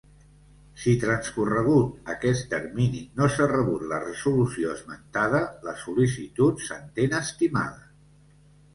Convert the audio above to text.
Si transcorregut aquest termini no s'ha rebut la resolució esmentada, la sol·licitud s'entén estimada.